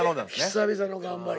久々の頑張り。